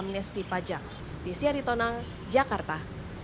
meruanggaptor renis rmbla